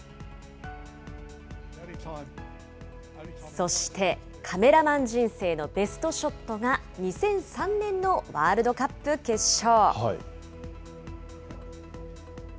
そしてカメラマン人生のベストショットが２００３年のワールドカップ決勝。